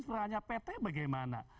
sebenarnya pt bagaimana